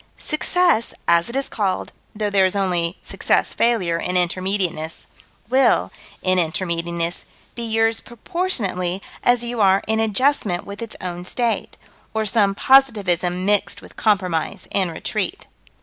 Success, as it is called though there is only success failure in Intermediateness will, in Intermediateness, be yours proportionately as you are in adjustment with its own state, or some positivism mixed with compromise and retreat.